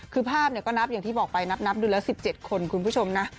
คือภาพก็นับอย่างที่บอกไปนับดูแล้ว๑๗คนคุณผู้ชมนะ